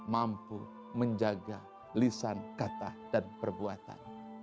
mampu menjaga lisan kata dan perbuatan